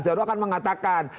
sejaruh akan mengatakan